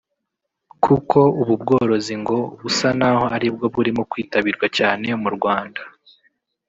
kuko ubu bworozi ngo busa n’aho ari bwo burimo kwitabirwa cyane mu Rwanda